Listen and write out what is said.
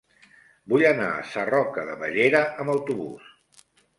Vull anar a Sarroca de Bellera amb autobús.